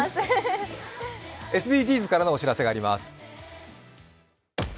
ＳＤＧｓからのお知らせがあります。